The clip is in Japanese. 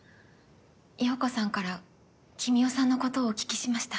洋子さんから君雄さんのことをお聞きしました。